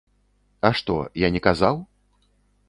А што, я не казаў?